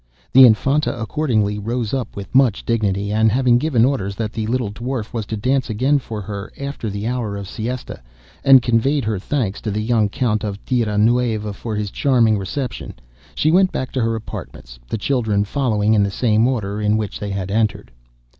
The Infanta accordingly rose up with much dignity, and having given orders that the little dwarf was to dance again for her after the hour of siesta, and conveyed her thanks to the young Count of Tierra Nueva for his charming reception, she went back to her apartments, the children following in the same order in which they had entered.